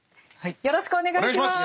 よろしくお願いします。